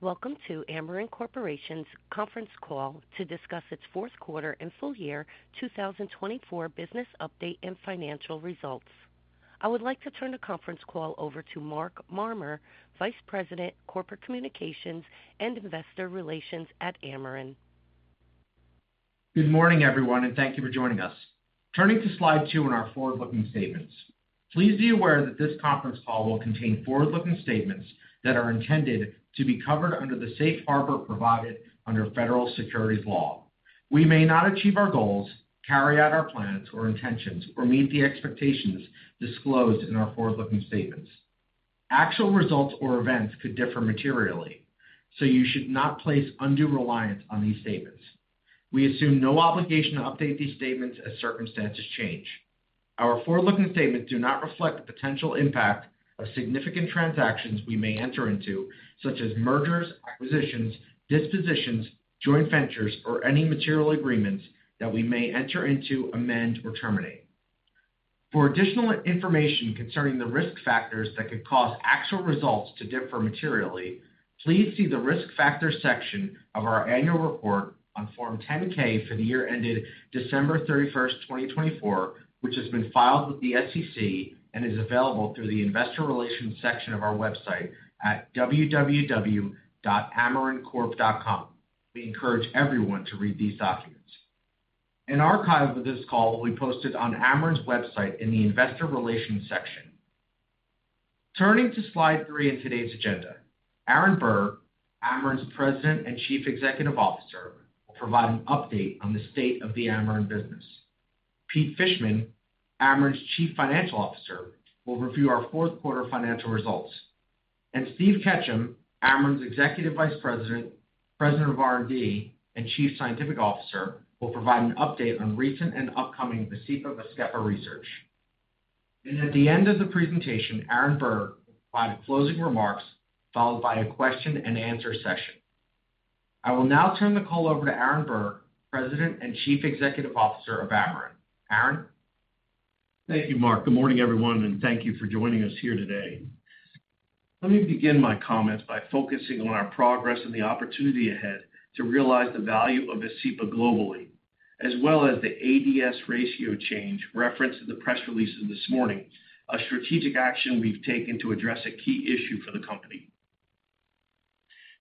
Welcome to Amarin Corporation's conference call to discuss its fourth quarter and full year 2024 business update and financial results. I would like to turn the conference call over to Mark Marmur, Vice President, Corporate Communications and Investor Relations at Amarin. Good morning, everyone, and thank you for joining us. Turning to slide two in our forward-looking statements, please be aware that this conference call will contain forward-looking statements that are intended to be covered under the safe harbor provided under federal securities law. We may not achieve our goals, carry out our plans or intentions, or meet the expectations disclosed in our forward-looking statements. Actual results or events could differ materially, so you should not place undue reliance on these statements. We assume no obligation to update these statements as circumstances change. Our forward-looking statements do not reflect the potential impact of significant transactions we may enter into, such as mergers, acquisitions, dispositions, joint ventures, or any material agreements that we may enter into, amend, or terminate. For additional information concerning the risk factors that could cause actual results to differ materially, please see the risk factor section of our annual report on Form 10-K for the year ended December 31st, 2024, which has been filed with the SEC and is available through the investor relations section of our website at www.amarincorp.com. We encourage everyone to read these documents. An archive of this call will be posted on Amarin's website in the investor relations section. Turning to slide three in today's agenda, Aaron Berg, Amarin's President and Chief Executive Officer, will provide an update on the state of the Amarin business. Pete Fishman, Amarin's Chief Financial Officer, will review our fourth quarter financial results. Steve Ketchum, Amarin's Executive Vice President, President of R&D, and Chief Scientific Officer, will provide an update on recent and upcoming Vascepa research. At the end of the presentation, Aaron Berg will provide closing remarks followed by a question-and-answer session. I will now turn the call over to Aaron Berg, President and Chief Executive Officer of Amarin. Aaron? Thank you, Mark. Good morning, everyone, and thank you for joining us here today. Let me begin my comments by focusing on our progress and the opportunity ahead to realize the value of Vascepa globally, as well as the ADS ratio change referenced in the press release this morning, a strategic action we've taken to address a key issue for the company.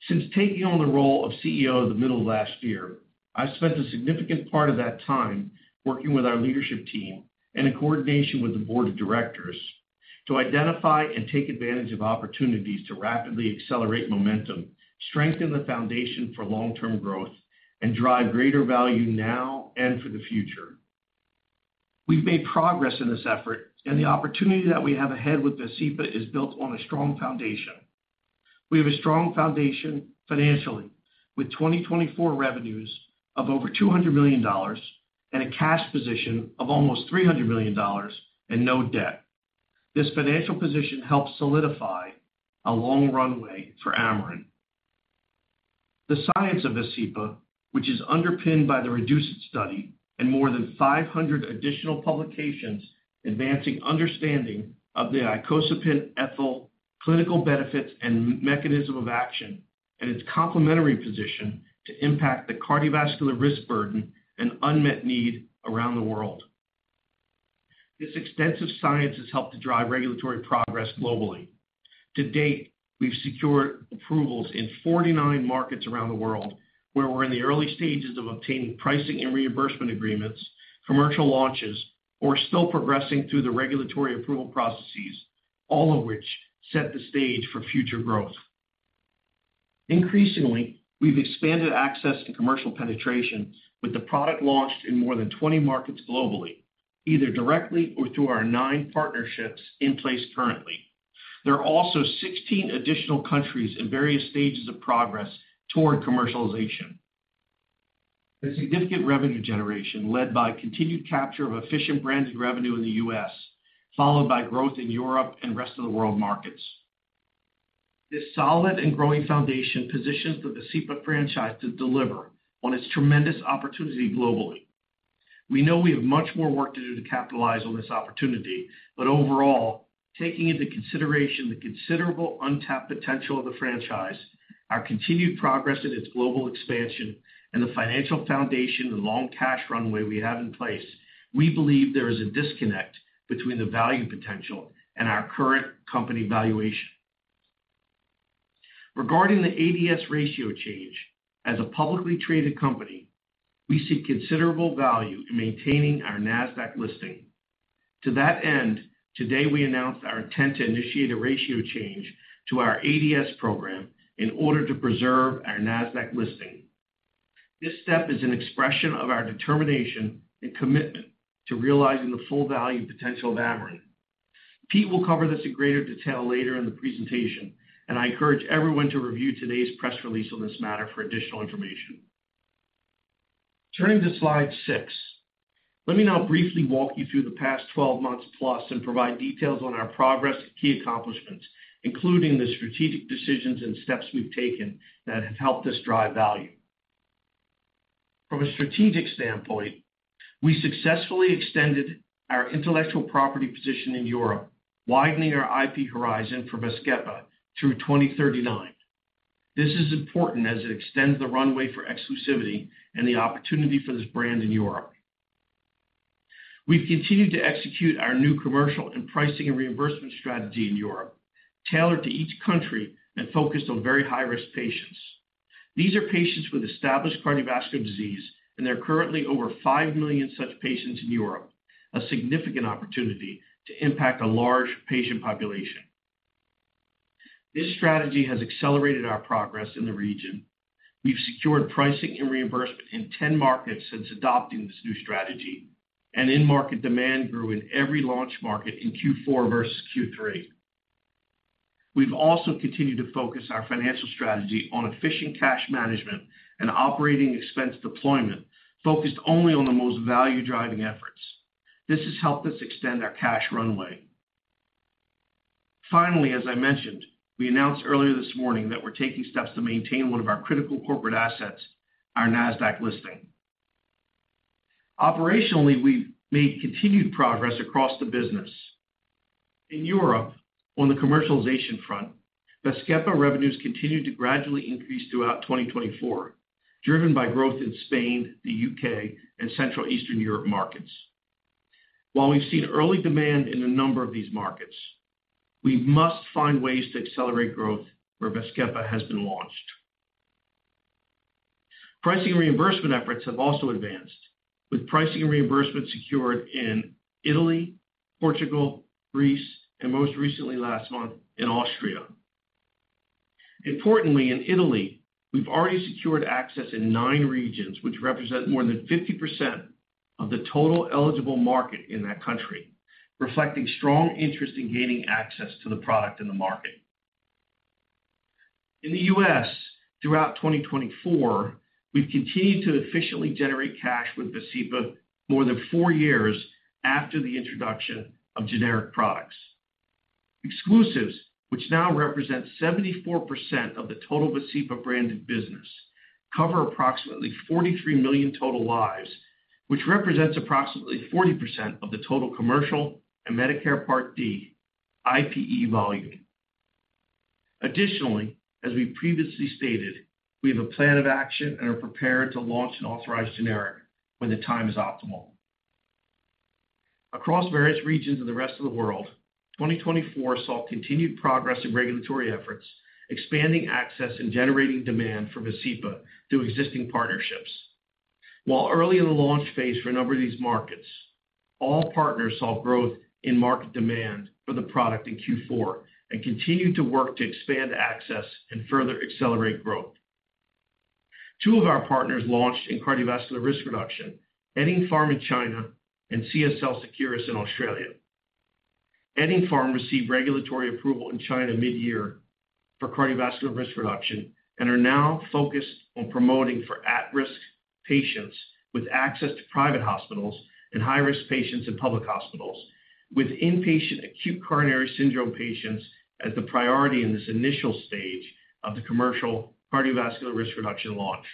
Since taking on the role of CEO in the middle of last year, I've spent a significant part of that time working with our leadership team and in coordination with the board of directors to identify and take advantage of opportunities to rapidly accelerate momentum, strengthen the foundation for long-term growth, and drive greater value now and for the future. We've made progress in this effort, and the opportunity that we have ahead with Vascepa is built on a strong foundation. We have a strong foundation financially, with 2024 revenues of over $200 million and a cash position of almost $300 million and no debt. This financial position helps solidify a long runway for Amarin. The science of Vascepa, which is underpinned by the REDUCE-IT study and more than 500 additional publications advancing understanding of the icosapent ethyl clinical benefits and mechanism of action, and its complementary position to impact the cardiovascular risk burden and unmet need around the world. This extensive science has helped to drive regulatory progress globally. To date, we've secured approvals in 49 markets around the world, where we're in the early stages of obtaining pricing and reimbursement agreements, commercial launches, or still progressing through the regulatory approval processes, all of which set the stage for future growth. Increasingly, we've expanded access and commercial penetration with the product launched in more than 20 markets globally, either directly or through our nine partnerships in place currently. There are also 16 additional countries in various stages of progress toward commercialization. A significant revenue generation led by continued capture of efficient branded revenue in the U.S., followed by growth in Europe and rest of the world markets. This solid and growing foundation positions the Vascepa franchise to deliver on its tremendous opportunity globally. We know we have much more work to do to capitalize on this opportunity, but overall, taking into consideration the considerable untapped potential of the franchise, our continued progress in its global expansion, and the financial foundation and long cash runway we have in place, we believe there is a disconnect between the value potential and our current company valuation. Regarding the ADS ratio change, as a publicly traded company, we see considerable value in maintaining our Nasdaq listing. To that end, today we announced our intent to initiate a ratio change to our ADS program in order to preserve our Nasdaq listing. This step is an expression of our determination and commitment to realizing the full value potential of Amarin. Pete will cover this in greater detail later in the presentation, and I encourage everyone to review today's press release on this matter for additional information. Turning to slide six, let me now briefly walk you through the past 12 months plus and provide details on our progress and key accomplishments, including the strategic decisions and steps we've taken that have helped us drive value. From a strategic standpoint, we successfully extended our intellectual property position in Europe, widening our IP horizon for Vascepa through 2039. This is important as it extends the runway for exclusivity and the opportunity for this brand in Europe. We've continued to execute our new commercial and pricing and reimbursement strategy in Europe, tailored to each country and focused on very high-risk patients. These are patients with established cardiovascular disease, and there are currently over 5 million such patients in Europe, a significant opportunity to impact a large patient population. This strategy has accelerated our progress in the region. We've secured pricing and reimbursement in 10 markets since adopting this new strategy, and in-market demand grew in every launch market in Q4 versus Q3. We've also continued to focus our financial strategy on efficient cash management and operating expense deployment, focused only on the most value-driving efforts. This has helped us extend our cash runway. Finally, as I mentioned, we announced earlier this morning that we're taking steps to maintain one of our critical corporate assets, our Nasdaq listing. Operationally, we've made continued progress across the business. In Europe, on the commercialization front, Vascepa revenues continued to gradually increase throughout 2024, driven by growth in Spain, the U.K., and Central Eastern Europe markets. While we've seen early demand in a number of these markets, we must find ways to accelerate growth where Vascepa has been launched. Pricing and reimbursement efforts have also advanced, with pricing and reimbursement secured in Italy, Portugal, Greece, and most recently, last month, in Austria. Importantly, in Italy, we've already secured access in nine regions, which represent more than 50% of the total eligible market in that country, reflecting strong interest in gaining access to the product in the market. In the U.S., throughout 2024, we've continued to efficiently generate cash with Vascepa more than four years after the introduction of generic products. Exclusives, which now represent 74% of the total Vascepa branded business, cover approximately 43 million total lives, which represents approximately 40% of the total commercial and Medicare Part D IPE volume. Additionally, as we previously stated, we have a plan of action and are prepared to launch an authorized generic when the time is optimal. Across various regions of the rest of the world, 2024 saw continued progress in regulatory efforts, expanding access and generating demand for Vascepa through existing partnerships. While early in the launch phase for a number of these markets, all partners saw growth in market demand for the product in Q4 and continued to work to expand access and further accelerate growth. Two of our partners launched in cardiovascular risk reduction, Eddingpharm in China and CSL Seqirus in Australia. Eddingpharm received regulatory approval in China mid-year for cardiovascular risk reduction and are now focused on promoting for at-risk patients with access to private hospitals and high-risk patients in public hospitals, with inpatient acute coronary syndrome patients as the priority in this initial stage of the commercial cardiovascular risk reduction launch.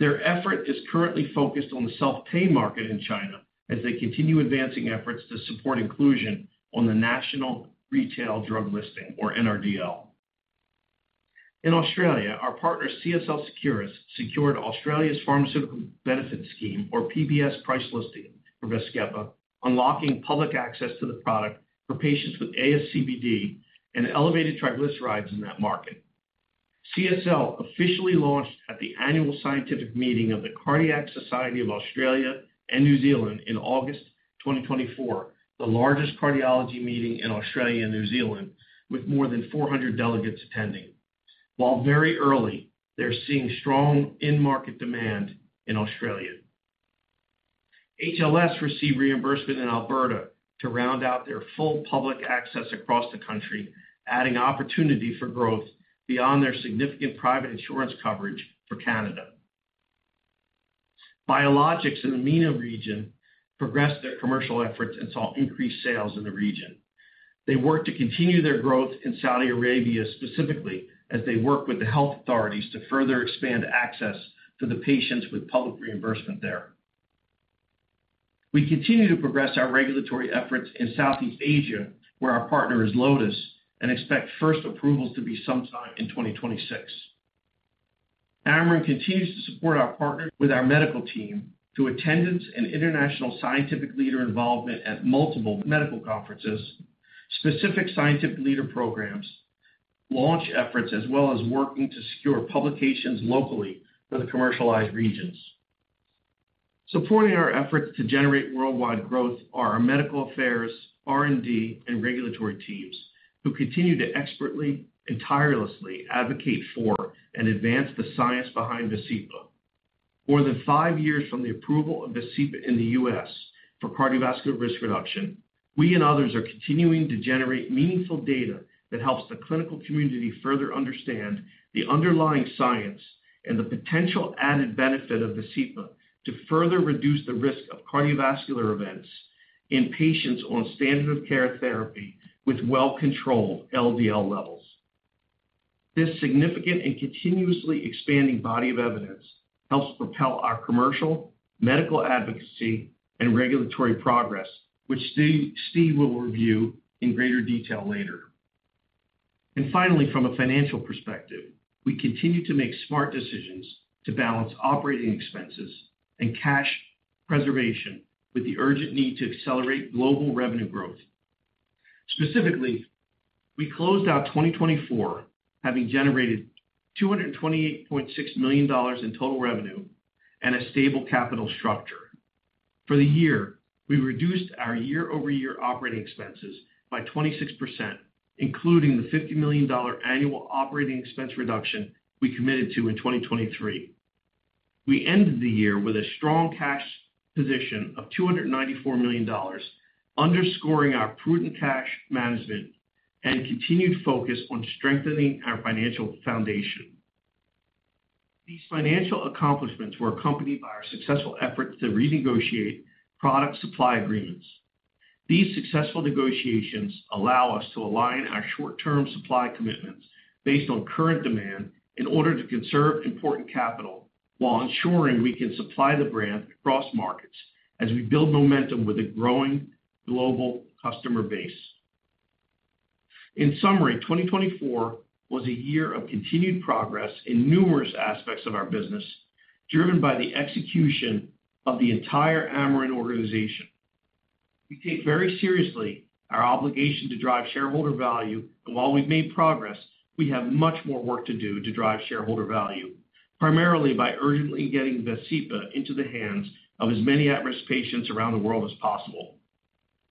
Their effort is currently focused on the self-pay market in China as they continue advancing efforts to support inclusion on the National Retail Drug Listing, or NRDL. In Australia, our partner CSL Seqirus secured Australia's Pharmaceutical Benefits Scheme, or PBS, price listing for Vascepa, unlocking public access to the product for patients with ASCVD and elevated triglycerides in that market. CSL officially launched at the annual scientific meeting of the Cardiac Society of Australia and New Zealand in August 2024, the largest cardiology meeting in Australia and New Zealand, with more than 400 delegates attending. While very early, they're seeing strong in-market demand in Australia. HLS received reimbursement in Alberta to round out their full public access across the country, adding opportunity for growth beyond their significant private insurance coverage for Canada. Biologix in the MENA region progressed their commercial efforts and saw increased sales in the region. They work to continue their growth in Saudi Arabia specifically as they work with the health authorities to further expand access to the patients with public reimbursement there. We continue to progress our regulatory efforts in Southeast Asia, where our partner is Lotus, and expect first approvals to be sometime in 2026. Amarin continues to support our partners with our medical team through attendance and international scientific leader involvement at multiple medical conferences, specific scientific leader programs, launch efforts, as well as working to secure publications locally for the commercialized regions. Supporting our efforts to generate worldwide growth are our medical affairs, R&D, and regulatory teams who continue to expertly and tirelessly advocate for and advance the science behind Vascepa. More than five years from the approval of Vascepa in the U.S. for cardiovascular risk reduction, we and others are continuing to generate meaningful data that helps the clinical community further understand the underlying science and the potential added benefit of Vascepa to further reduce the risk of cardiovascular events in patients on standard of care therapy with well-controlled LDL levels. This significant and continuously expanding body of evidence helps propel our commercial, medical advocacy, and regulatory progress, which Steve will review in greater detail later. Finally, from a financial perspective, we continue to make smart decisions to balance operating expenses and cash preservation with the urgent need to accelerate global revenue growth. Specifically, we closed out 2024 having generated $228.6 million in total revenue and a stable capital structure. For the year, we reduced our year-over-year operating expenses by 26%, including the $50 million annual operating expense reduction we committed to in 2023. We ended the year with a strong cash position of $294 million, underscoring our prudent cash management and continued focus on strengthening our financial foundation. These financial accomplishments were accompanied by our successful efforts to renegotiate product supply agreements. These successful negotiations allow us to align our short-term supply commitments based on current demand in order to conserve important capital while ensuring we can supply the brand across markets as we build momentum with a growing global customer base. In summary, 2024 was a year of continued progress in numerous aspects of our business, driven by the execution of the entire Amarin organization. We take very seriously our obligation to drive shareholder value, and while we've made progress, we have much more work to do to drive shareholder value, primarily by urgently getting Vascepa into the hands of as many at-risk patients around the world as possible.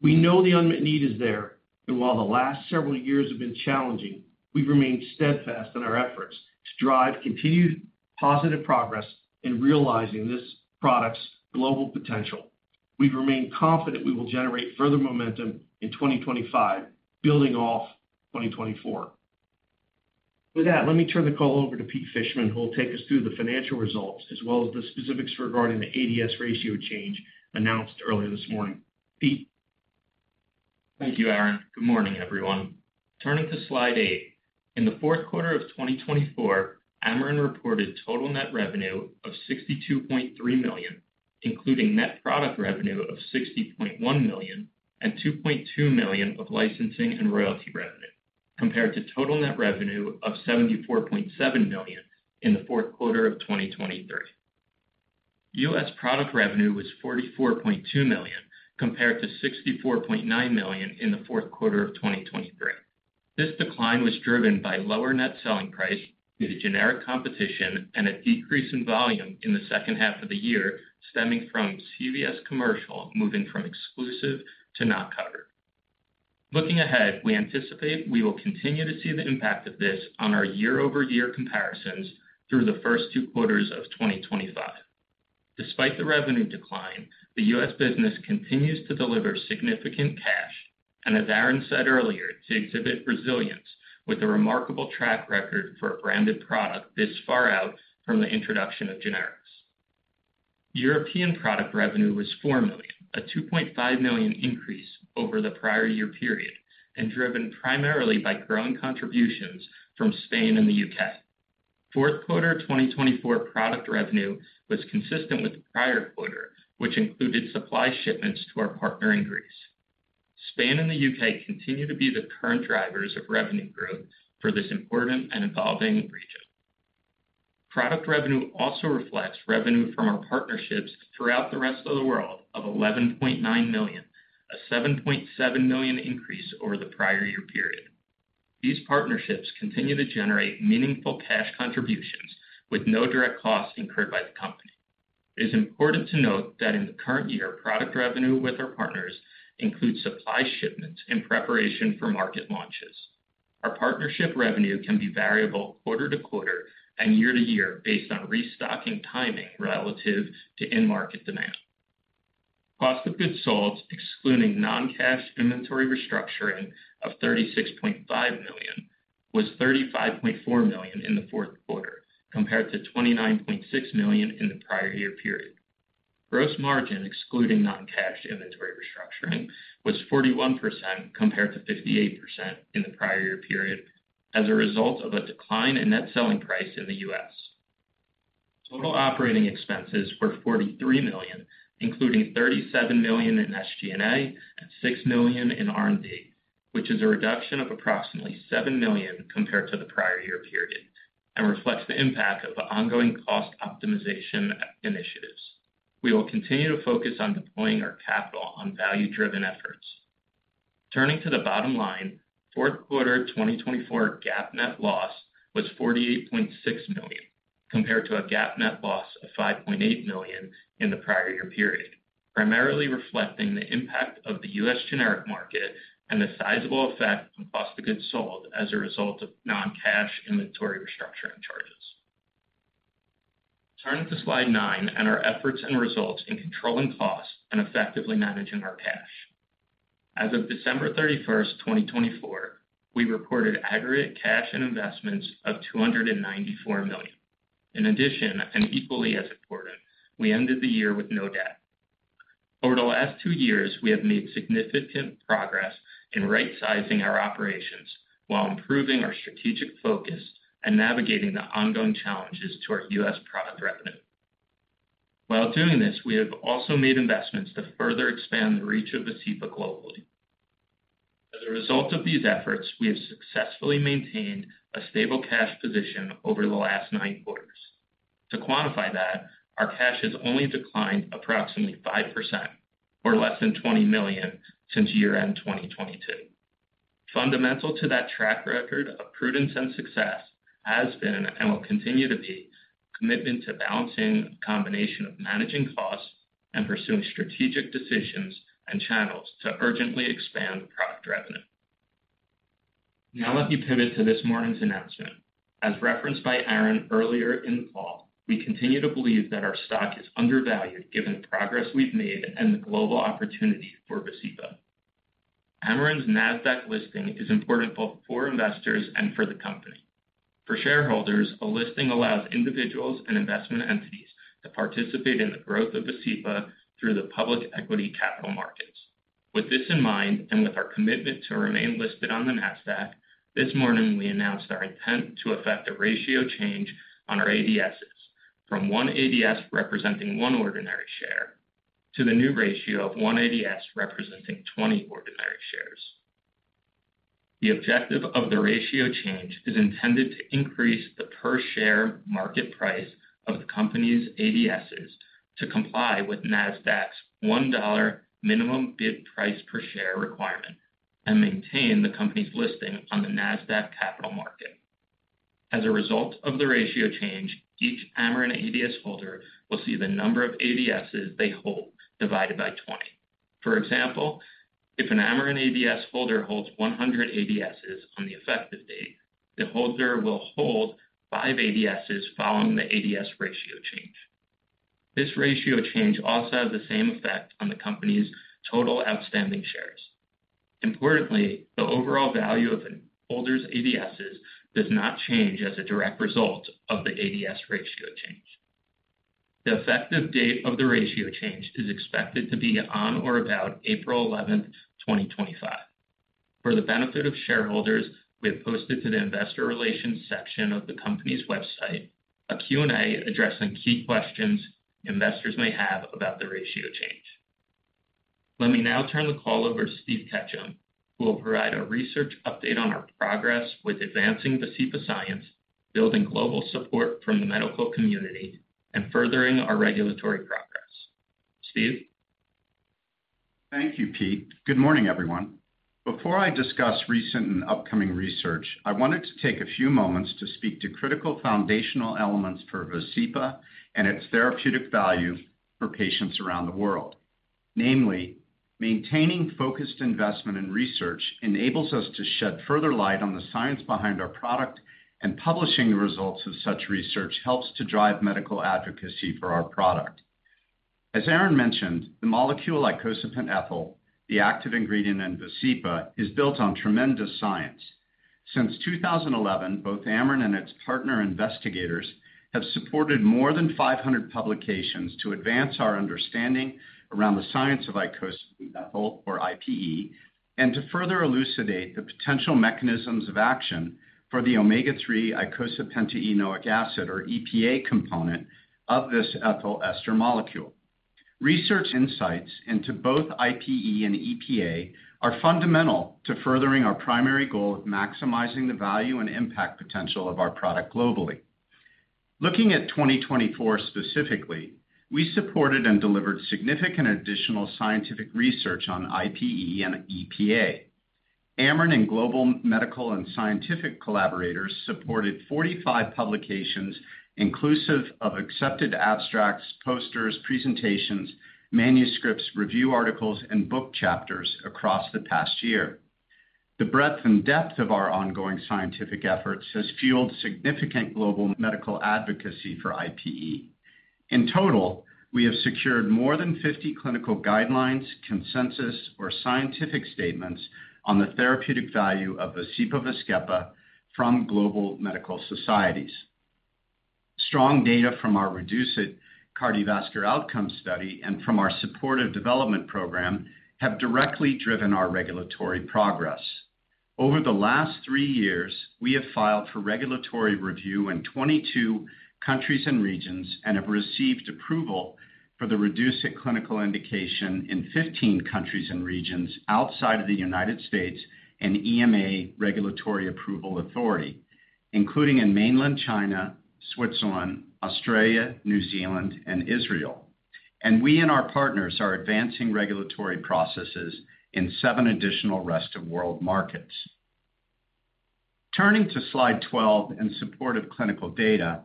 We know the unmet need is there, and while the last several years have been challenging, we've remained steadfast in our efforts to drive continued positive progress in realizing this product's global potential. We remain confident we will generate further momentum in 2025, building off 2024. With that, let me turn the call over to Pete Fishman, who will take us through the financial results as well as the specifics regarding the ADS ratio change announced earlier this morning. Pete. Thank you, Aaron. Good morning, everyone. Turning to slide eight, in the fourth quarter of 2024, Amarin reported total net revenue of $62.3 million, including net product revenue of $60.1 million and $2.2 million of licensing and royalty revenue, compared to total net revenue of $74.7 million in the fourth quarter of 2023. U.S. product revenue was $44.2 million compared to $64.9 million in the fourth quarter of 2023. This decline was driven by lower net selling price due to generic competition and a decrease in volume in the second half of the year stemming from CVS commercial moving from exclusive to not covered. Looking ahead, we anticipate we will continue to see the impact of this on our year-over-year comparisons through the first two quarters of 2025. Despite the revenue decline, the U.S. business continues to deliver significant cash, and as Aaron Berg said earlier, to exhibit resilience with a remarkable track record for a branded product this far out from the introduction of generics. European product revenue was $4 million, a $2.5 million increase over the prior year period, and driven primarily by growing contributions from Spain and the U.K. Fourth quarter 2024 product revenue was consistent with the prior quarter, which included supply shipments to our partner in Greece. Spain and the U.K. continue to be the current drivers of revenue growth for this important and evolving region. Product revenue also reflects revenue from our partnerships throughout the rest of the world of $11.9 million, a $7.7 million increase over the prior year period. These partnerships continue to generate meaningful cash contributions with no direct costs incurred by the company. It is important to note that in the current year, product revenue with our partners includes supply shipments in preparation for market launches. Our partnership revenue can be variable quarter-to-quarter and year-to-year based on restocking timing relative to in-market demand. Cost of goods sold, excluding non-cash inventory restructuring of $36.5 million, was $35.4 million in the fourth quarter, compared to $29.6 million in the prior year period. Gross margin, excluding non-cash inventory restructuring, was 41% compared to 58% in the prior year period as a result of a decline in net selling price in the U.S. Total operating expenses were $43 million, including $37 million in SG&A and $6 million in R&D, which is a reduction of approximately $7 million compared to the prior year period and reflects the impact of ongoing cost optimization initiatives. We will continue to focus on deploying our capital on value-driven efforts. Turning to the bottom line, fourth quarter 2024 GAAP net loss was $48.6 million compared to a GAAP net loss of $5.8 million in the prior year period, primarily reflecting the impact of the U.S. generic market and the sizable effect on cost of goods sold as a result of non-cash inventory restructuring charges. Turning to slide nine and our efforts and results in controlling costs and effectively managing our cash. As of December 31st, 2024, we reported aggregate cash and investments of $294 million. In addition, and equally as important, we ended the year with no debt. Over the last two years, we have made significant progress in right-sizing our operations while improving our strategic focus and navigating the ongoing challenges to our U.S. product revenue. While doing this, we have also made investments to further expand the reach of Vascepa globally. As a result of these efforts, we have successfully maintained a stable cash position over the last nine quarters. To quantify that, our cash has only declined approximately 5%, or less than $20 million since year-end 2022. Fundamental to that track record of prudence and success has been and will continue to be a commitment to balancing a combination of managing costs and pursuing strategic decisions and channels to urgently expand product revenue. Now let me pivot to this morning's announcement. As referenced by Aaron earlier in the call, we continue to believe that our stock is undervalued given the progress we've made and the global opportunity for Vascepa. Amarin's Nasdaq listing is important both for investors and for the company. For shareholders, a listing allows individuals and investment entities to participate in the growth of Vascepa through the public equity capital markets. With this in mind and with our commitment to remain listed on the Nasdaq, this morning we announced our intent to effect a ratio change on our ADSs from one ADS representing one ordinary share to the new ratio of one ADS representing 20 ordinary shares. The objective of the ratio change is intended to increase the per-share market price of the company's ADSs to comply with Nasdaq's $1 minimum bid price per share requirement and maintain the company's listing on the Nasdaq Capital Market. As a result of the ratio change, each Amarin ADS holder will see the number of ADSs they hold divided by 20. For example, if an Amarin ADS holder holds 100 ADSs on the effective date, the holder will hold five ADSs following the ADS ratio change. This ratio change also has the same effect on the company's total outstanding shares. Importantly, the overall value of a holder's ADSs does not change as a direct result of the ADS ratio change. The effective date of the ratio change is expected to be on or about April 11th, 2025. For the benefit of shareholders, we have posted to the investor relations section of the company's website a Q&A addressing key questions investors may have about the ratio change. Let me now turn the call over to Steve Ketchum, who will provide a research update on our progress with advancing Vascepa science, building global support from the medical community, and furthering our regulatory progress. Steve? Thank you, Pete. Good morning, everyone. Before I discuss recent and upcoming research, I wanted to take a few moments to speak to critical foundational elements for Vascepa and its therapeutic value for patients around the world. Namely, maintaining focused investment in research enables us to shed further light on the science behind our product, and publishing the results of such research helps to drive medical advocacy for our product. As Aaron mentioned, the molecule icosapent ethyl, the active ingredient in Vascepa, is built on tremendous science. Since 2011, both Amarin and its partner investigators have supported more than 500 publications to advance our understanding around the science of icosapent ethyl, or IPE, and to further elucidate the potential mechanisms of action for the omega-3 eicosapentaenoic acid, or EPA, component of this ethyl ester molecule. Research insights into both IPE and EPA are fundamental to furthering our primary goal of maximizing the value and impact potential of our product globally. Looking at 2024 specifically, we supported and delivered significant additional scientific research on IPE and EPA. Amarin and global medical and scientific collaborators supported 45 publications inclusive of accepted abstracts, posters, presentations, manuscripts, review articles, and book chapters across the past year. The breadth and depth of our ongoing scientific efforts has fueled significant global medical advocacy for IPE. In total, we have secured more than 50 clinical guidelines, consensus, or scientific statements on the therapeutic value of Vascepa-Vascepa from global medical societies. Strong data from our REDUCE-IT Cardiovascular Outcomes study and from our Supportive Development Program have directly driven our regulatory progress. Over the last three years, we have filed for regulatory review in 22 countries and regions and have received approval for the REDUCE-IT clinical indication in 15 countries and regions outside of the U.S. and EMA Regulatory Approval Authority, including in mainland China, Switzerland, Australia, New Zealand, and Israel. We and our partners are advancing regulatory processes in seven additional rest of world markets. Turning to slide 12 and supportive clinical data,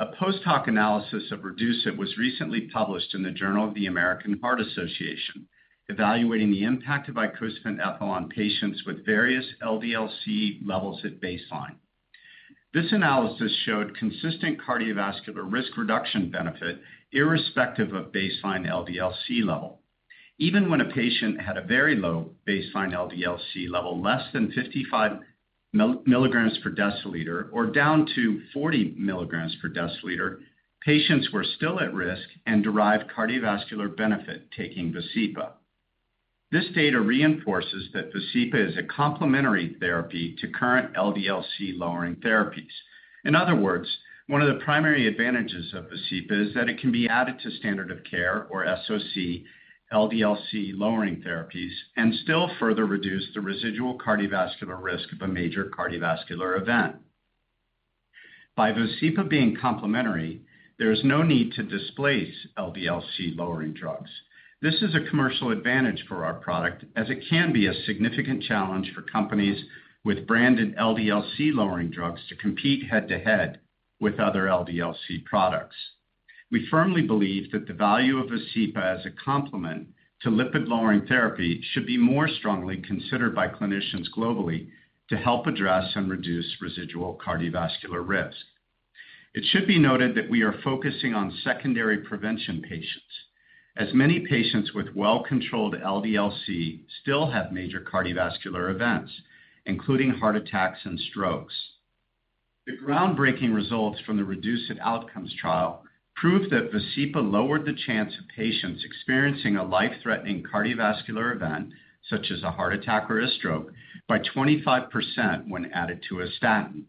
a post-hoc analysis of REDUCE-IT was recently published in the Journal of the American Heart Association, evaluating the impact of icosapent ethyl on patients with various LDL-C levels at baseline. This analysis showed consistent cardiovascular risk reduction benefit irrespective of baseline LDL-C level. Even when a patient had a very low baseline LDL-C level, less than 55 milligrams per deciliter or down to 40 milligrams per deciliter, patients were still at risk and derived cardiovascular benefit taking Vascepa. This data reinforces that Vascepa is a complementary therapy to current LDL-C lowering therapies. In other words, one of the primary advantages of Vascepa is that it can be added to standard of care, or SOC, LDL-C lowering therapies, and still further reduce the residual cardiovascular risk of a major cardiovascular event. By Vascepa being complementary, there is no need to displace LDL-C lowering drugs. This is a commercial advantage for our product, as it can be a significant challenge for companies with branded LDL-C lowering drugs to compete head-to-head with other LDL-C products. We firmly believe that the value of Vascepa as a complement to lipid-lowering therapy should be more strongly considered by clinicians globally to help address and reduce residual cardiovascular risk. It should be noted that we are focusing on secondary prevention patients, as many patients with well-controlled LDL-C still have major cardiovascular events, including heart attacks and strokes. The groundbreaking results from the REDUCE-IT trial! Outcomes trial proved that Vascepa lowered the chance of patients experiencing a life-threatening cardiovascular event, such as a heart attack or a stroke, by 25% when added to a statin.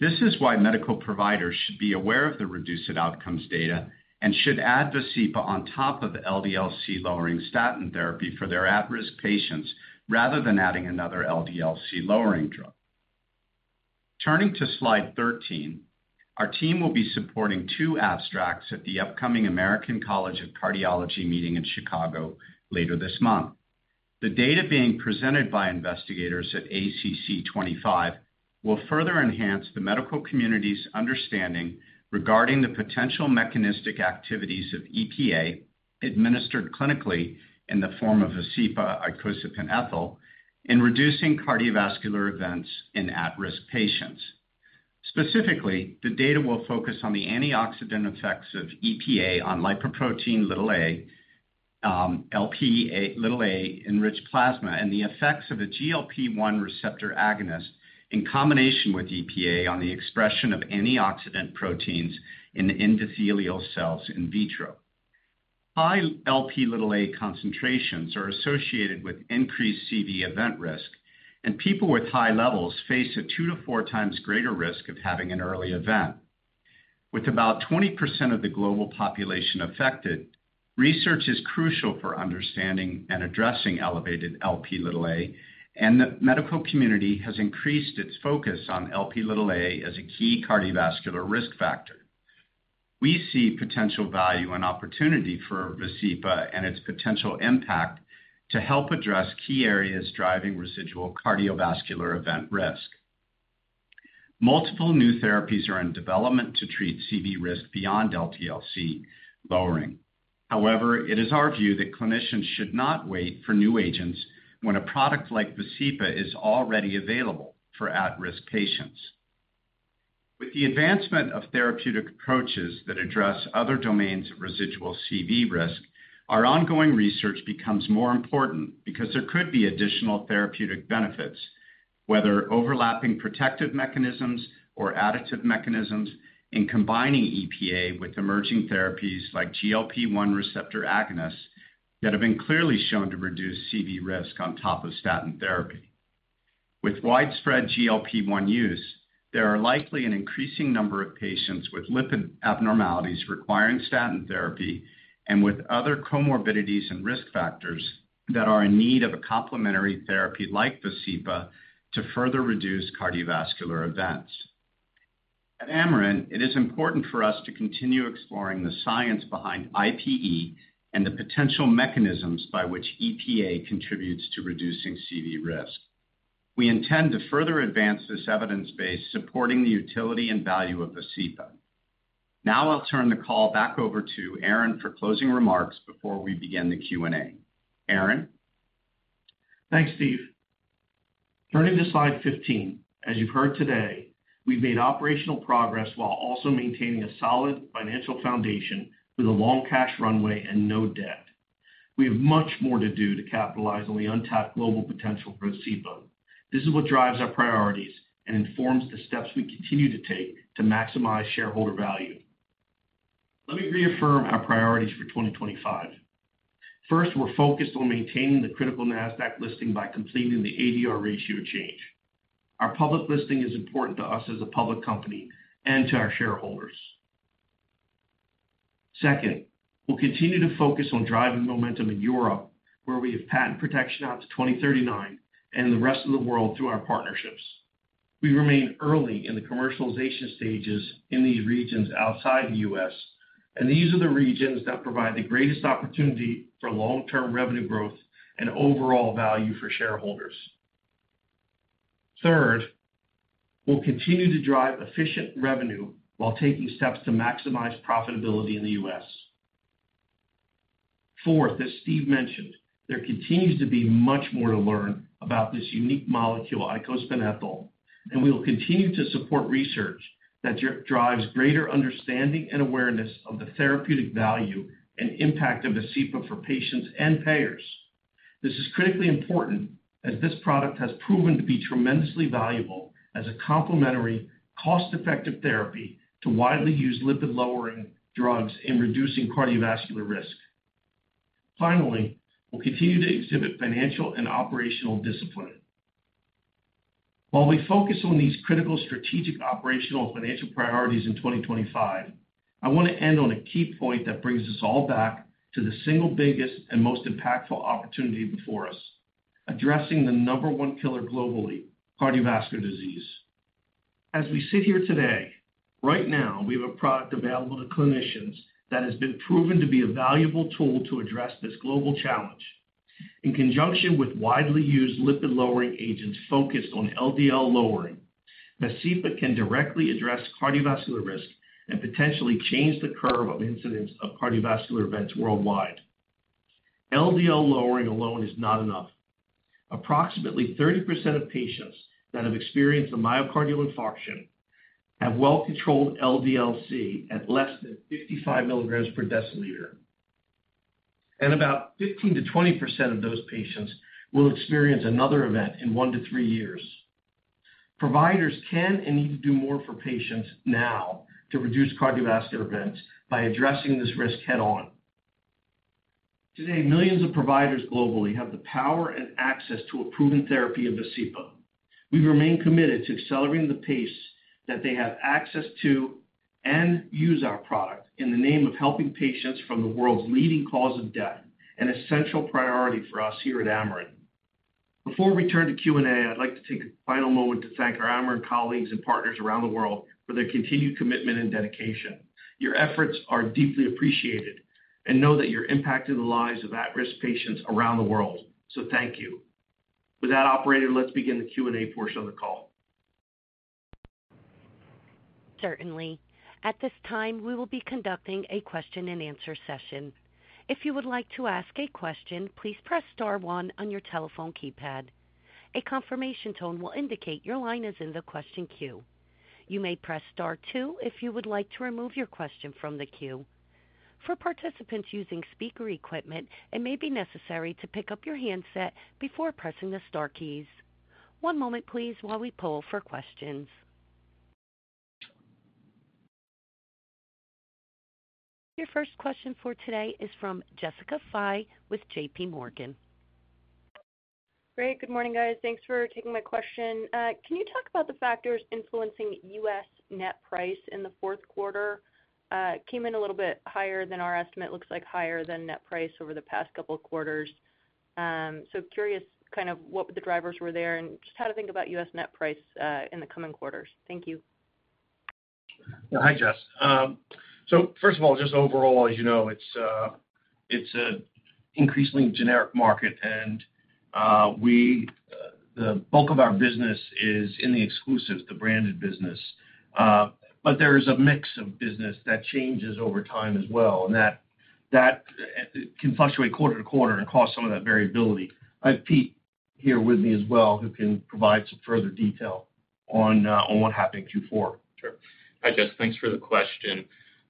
This is why medical providers should be aware of the REDUCE-IT outcomes data and should add Vascepa on top of LDL-C lowering statin therapy for their at-risk patients rather than adding another LDL-C lowering drug. Turning to slide 13, our team will be supporting two abstracts at the upcoming American College of Cardiology meeting in Chicago later this month. The data being presented by investigators at ACC25 will further enhance the medical community's understanding regarding the potential mechanistic activities of EPA administered clinically in the form of Vascepa-icosapent ethyl in reducing cardiovascular events in at-risk patients. Specifically, the data will focus on the antioxidant effects of EPA on Lipoprotein(a), Lp(a)-enriched plasma, and the effects of a GLP-1 receptor agonist in combination with EPA on the expression of antioxidant proteins in endothelial cells in vitro. High Lp(a) concentrations are associated with increased CV event risk, and people with high levels face a two-to four-times greater risk of having an early event. With about 20% of the global population affected, research is crucial for understanding and addressing elevated Lp(a), and the medical community has increased its focus on Lp(a) as a key cardiovascular risk factor. We see potential value and opportunity for Vascepa and its potential impact to help address key areas driving residual cardiovascular event risk. Multiple new therapies are in development to treat CV risk beyond LDL-C lowering. However, it is our view that clinicians should not wait for new agents when a product like Vascepa is already available for at-risk patients. With the advancement of therapeutic approaches that address other domains of residual CV risk, our ongoing research becomes more important because there could be additional therapeutic benefits, whether overlapping protective mechanisms or additive mechanisms, in combining EPA with emerging therapies like GLP-1 receptor agonists that have been clearly shown to reduce CV risk on top of statin therapy. With widespread GLP-1 use, there are likely an increasing number of patients with lipid abnormalities requiring statin therapy and with other comorbidities and risk factors that are in need of a complementary therapy like Vascepa to further reduce cardiovascular events. At Amarin, it is important for us to continue exploring the science behind IPE and the potential mechanisms by which EPA contributes to reducing CV risk. We intend to further advance this evidence base supporting the utility and value of Vascepa. Now I'll turn the call back over to Aaron for closing remarks before we begin the Q&A. Aaron? Thanks, Steve. Turning to slide 15, as you've heard today, we've made operational progress while also maintaining a solid financial foundation with a long cash runway and no debt. We have much more to do to capitalize on the untapped global potential for Vascepa. This is what drives our priorities and informs the steps we continue to take to maximize shareholder value. Let me reaffirm our priorities for 2025. First, we're focused on maintaining the critical Nasdaq listing by completing the ADR ratio change. Our public listing is important to us as a public company and to our shareholders. Second, we'll continue to focus on driving momentum in Europe, where we have patent protection out to 2039 and the rest of the world through our partnerships. We remain early in the commercialization stages in these regions outside the U.S., and these are the regions that provide the greatest opportunity for long-term revenue growth and overall value for shareholders. Third, we'll continue to drive efficient revenue while taking steps to maximize profitability in the U.S. Fourth, as Steve mentioned, there continues to be much more to learn about this unique molecule, eicosapent ethyl, and we will continue to support research that drives greater understanding and awareness of the therapeutic value and impact of Vascepa for patients and payers. This is critically important as this product has proven to be tremendously valuable as a complementary, cost-effective therapy to widely used lipid-lowering drugs in reducing cardiovascular risk. Finally, we'll continue to exhibit financial and operational discipline. While we focus on these critical strategic operational and financial priorities in 2025, I want to end on a key point that brings us all back to the single biggest and most impactful opportunity before us: addressing the number one killer globally, cardiovascular disease. As we sit here today, right now, we have a product available to clinicians that has been proven to be a valuable tool to address this global challenge. In conjunction with widely used lipid-lowering agents focused on LDL lowering, Vascepa can directly address cardiovascular risk and potentially change the curve of incidence of cardiovascular events worldwide. LDL lowering alone is not enough. Approximately 30% of patients that have experienced a myocardial infarction have well-controlled LDL-C at less than 55 milligrams per deciliter. About 15%-20% of those patients will experience another event in one to three years. Providers can and need to do more for patients now to reduce cardiovascular events by addressing this risk head-on. Today, millions of providers globally have the power and access to a proven therapy of Vascepa. We remain committed to accelerating the pace that they have access to and use our product in the name of helping patients from the world's leading cause of death, an essential priority for us here at Amarin. Before we turn to Q&A, I'd like to take a final moment to thank our Amarin colleagues and partners around the world for their continued commitment and dedication. Your efforts are deeply appreciated, and know that you're impacting the lives of at-risk patients around the world. Thank you. With that, operator, let's begin the Q&A portion of the call. Certainly. At this time, we will be conducting a question-and-answer session. If you would like to ask a question, please press star one on your telephone keypad. A confirmation tone will indicate your line is in the question queue. You may press star two if you would like to remove your question from the queue. For participants using speaker equipment, it may be necessary to pick up your handset before pressing the Star keys. One moment, please, while we pull for questions. Your first question for today is from Jessica Fye with JPMorgan. Great. Good morning, guys. Thanks for taking my question. Can you talk about the factors influencing U.S. net price in the fourth quarter? Came in a little bit higher than our estimate. Looks like higher than net price over the past couple of quarters. Curious kind of what the drivers were there and just how to think about U.S. net price in the coming quarters. Thank you. Hi, Jess. First of all, just overall, as you know, it's an increasingly generic market, and the bulk of our business is in the exclusives, the branded business. There is a mix of business that changes over time as well, and that can fluctuate quarter to quarter and cause some of that variability. I have Pete here with me as well, who can provide some further detail on what happened in Q4. Sure. Hi, Jess. Thanks for the question.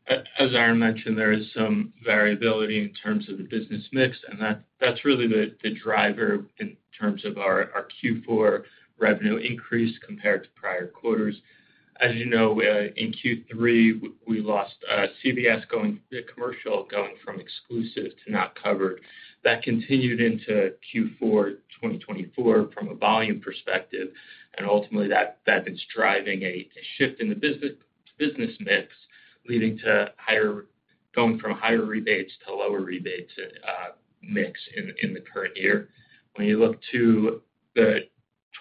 As Aaron mentioned, there is some variability in terms of the business mix, and that's really the driver in terms of our Q4 revenue increase compared to prior quarters. As you know, in Q3, we lost CVS going commercial, going from exclusive to not covered. That continued into Q4 2024 from a volume perspective, and ultimately, that's driving a shift in the business mix, leading to going from higher rebates to lower rebates mix in the current year. When you look to the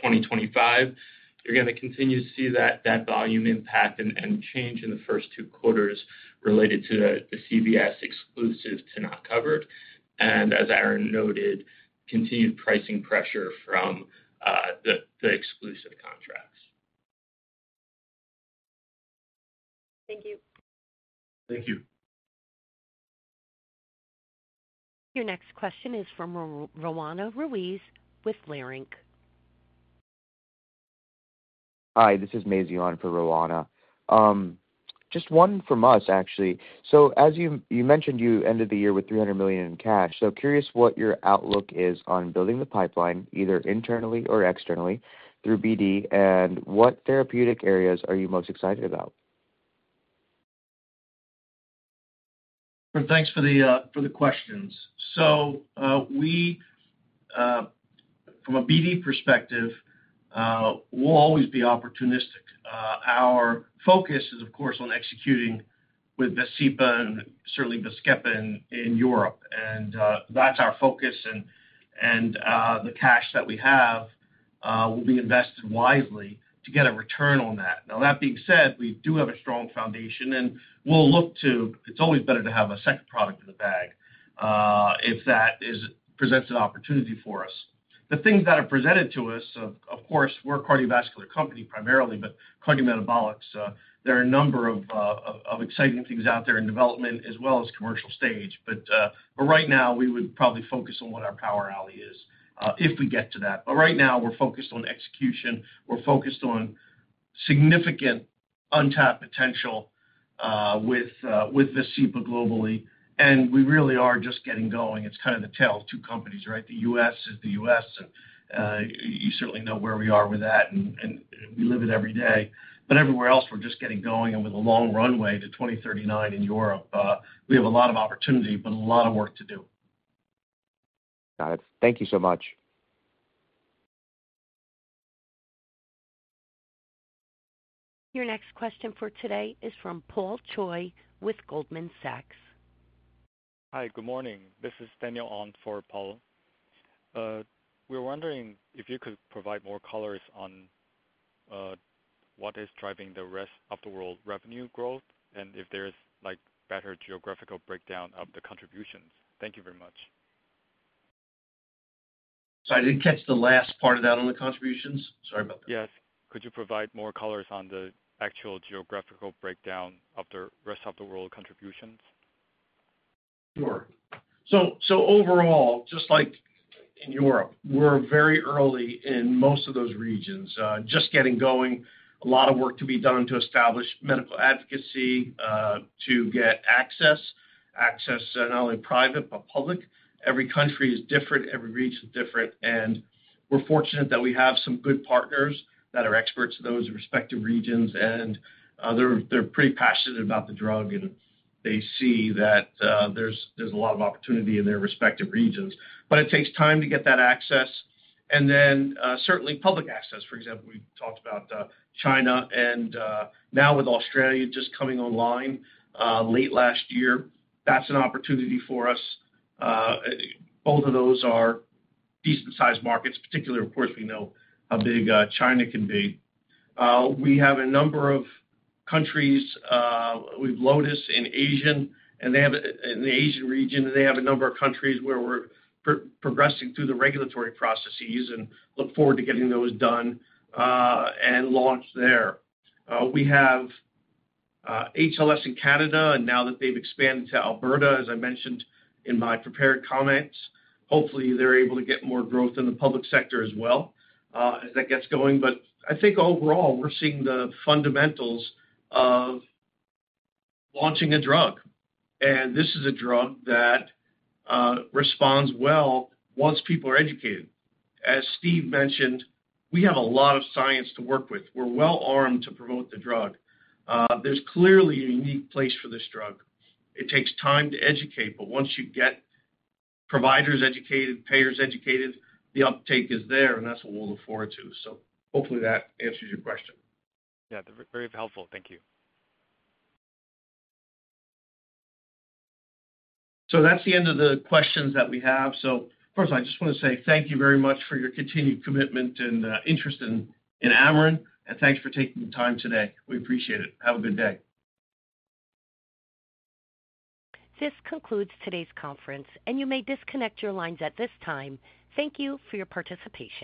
2025, you're going to continue to see that volume impact and change in the first two quarters related to the CVS exclusive to not covered. As Aaron noted, continued pricing pressure from the exclusive contracts. Thank you. Thank you. Your next question is from Roanna Ruiz with Leerink. Hi, this is Mays Yuan for Roanna. Just one from us, actually. As you mentioned, you ended the year with $300 million in cash. Curious what your outlook is on building the pipeline, either internally or externally through BD, and what therapeutic areas are you most excited about? Thanks for the questions. From a BD perspective, we'll always be opportunistic. Our focus is, of course, on executing with Vascepa and certainly Vascepa in Europe. That's our focus, and the cash that we have will be invested wisely to get a return on that. That being said, we do have a strong foundation, and we'll look to it's always better to have a second product in the bag if that presents an opportunity for us. The things that are presented to us, of course, we're a cardiovascular company primarily, but cardiometabolics, there are a number of exciting things out there in development as well as commercial stage. Right now, we would probably focus on what our power alley is if we get to that. Right now, we're focused on execution. We're focused on significant untapped potential with Vascepa globally. We really are just getting going. It's kind of the tale of two companies, right? The U.S. is the U.S., and you certainly know where we are with that, and we live it every day. Everywhere else, we're just getting going and with a long runway to 2039 in Europe. We have a lot of opportunity, but a lot of work to do. Got it. Thank you so much. Your next question for today is from Paul Choi with Goldman Sachs. Hi, good morning. This is Daniel Antal for Paul. We're wondering if you could provide more colors on what is driving the rest of the world revenue growth and if there's better geographical breakdown of the contributions. Thank you very much. Sorry, did not catch the last part of that on the contributions. Sorry about that. Yes. Could you provide more colors on the actual geographical breakdown of the rest of the world contributions? Sure. Overall, just like in Europe, we're very early in most of those regions, just getting going. A lot of work to be done to establish medical advocacy, to get access, access not only private but public. Every country is different. Every region is different. We're fortunate that we have some good partners that are experts in those respective regions, and they're pretty passionate about the drug, and they see that there's a lot of opportunity in their respective regions. It takes time to get that access. Certainly public access. For example, we talked about China and now with Australia just coming online late last year. That's an opportunity for us. Both of those are decent-sized markets, particularly, of course, we know how big China can be. We have a number of countries. We have Lotus in Asia, and they have in the Asian region, and they have a number of countries where we're progressing through the regulatory processes and look forward to getting those done and launched there. We have HLS in Canada, and now that they've expanded to Alberta, as I mentioned in my prepared comments, hopefully, they're able to get more growth in the public sector as well as that gets going. I think overall, we're seeing the fundamentals of launching a drug. This is a drug that responds well once people are educated. As Steve mentioned, we have a lot of science to work with. We're well armed to promote the drug. There's clearly a unique place for this drug. It takes time to educate, but once you get providers educated, payers educated, the uptake is there, and that's what we'll look forward to. Hopefully, that answers your question. Yeah, very helpful. Thank you. That is the end of the questions that we have. First, I just want to say thank you very much for your continued commitment and interest in Amarin, and thanks for taking the time today. We appreciate it. Have a good day. This concludes today's conference, and you may disconnect your lines at this time. Thank you for your participation.